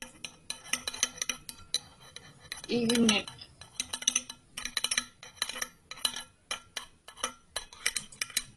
igniq